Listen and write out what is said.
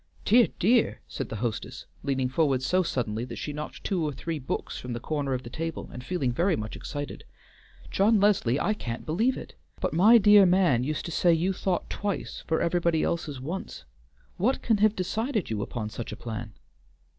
"Dear, dear!" said the hostess, leaning forward so suddenly that she knocked two or three books from the corner of the table, and feeling very much excited. "John Leslie, I can't believe it! but my dear man used to say you thought twice for everybody else's once. What can have decided you upon such a plan?"